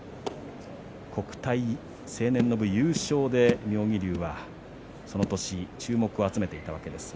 国体成年の部優勝で妙義龍はその年注目を集めていたわけです。